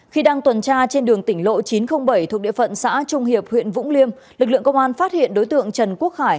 khi đang tuần tra trên đường tỉnh lộ chín trăm linh bảy thuộc địa phận xã trung hiệp huyện vũng liêm lực lượng công an phát hiện đối tượng trần quốc khải